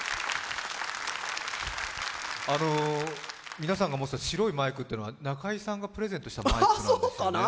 皆さんが持っていた白いマイクというのは、中居さんがプレゼントしたマイクなんですよね。